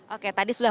oke tadi sudah